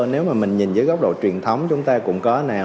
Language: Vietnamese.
nếu mà mình nhìn dưới góc độ truyền thống chúng ta cũng có nào